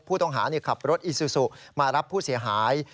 ผู้ต้องหาขับรถอีซูซูมารับผู้เสียหาย